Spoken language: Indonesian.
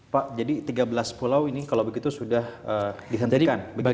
pak jadi tiga belas pulau ini kalau begitu sudah dihentikan